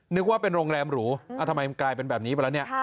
นึกว่าเป็นโรงแรมหรูทำไมมันกลายเป็นแบบนี้ไปแล้วเนี่ย